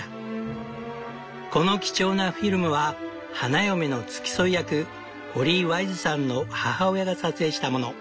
この貴重なフィルムは花嫁の付き添い役ホリー・ワイズさんの母親が撮影したもの。